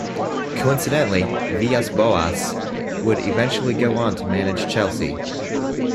Coincidentally, Villas-Boas would eventually go on to manage Chelsea.